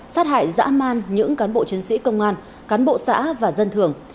sát hại dã man những cán bộ chiến sĩ công an cán bộ xã và dân thường